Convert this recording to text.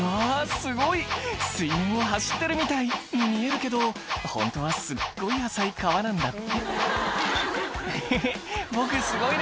すごい水面を走ってるみたいに見えるけどホントはすっごい浅い川なんだって「ヘヘっ僕すごいでしょ」